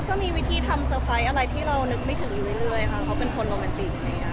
โปรดติดตามตอนต่อไป